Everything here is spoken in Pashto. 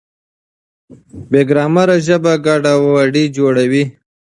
بې ګرامره ژبه ګډوډي جوړوي.